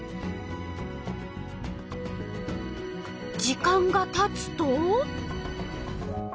時間がたつと。